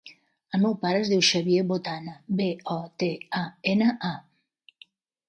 El meu pare es diu Xavier Botana: be, o, te, a, ena, a.